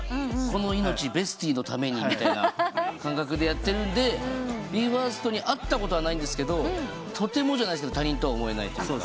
「この命ＢＥＳＴＹのために」みたいな感覚でやってるんでＢＥ：ＦＩＲＳＴに会ったことはないんですけどとてもじゃないですけど他人とは思えないというか。